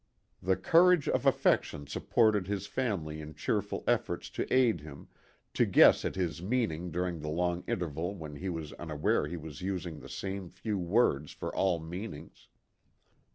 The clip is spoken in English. The courage of affection supported his family in cheerful efforts to aid him, to guess at his meaning during the long interval when he was unaware he was using the same few words for alt meanings.